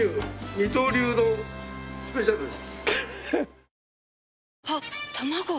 二刀流のスペシャルです。